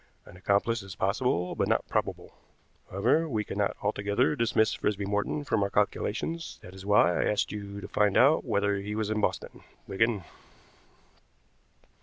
An accomplice is possible, but not probable. However, we cannot altogether dismiss Frisby Morton from our calculations, that is why I asked you to find out whether he was in Boston, Wigan."